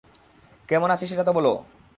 কেমন আছি সেটা তো বলো।